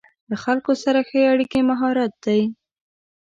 له خلکو سره ښه اړیکې مهارت دی.